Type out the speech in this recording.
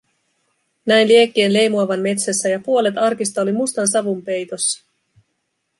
Näin liekkien leimuavan metsässä ja puolet arkista oli mustan savun peitossa.